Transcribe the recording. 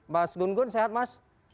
mas gun gun sehat mas